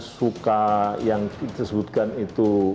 suka yang disebutkan itu